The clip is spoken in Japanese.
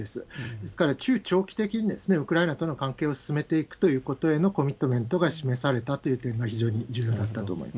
ですから、中長期的にウクライナとの関係を進めていくということへのコミットメントが示されたという点が非常に重要だったと思います。